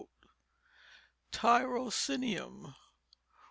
Tyrocinium.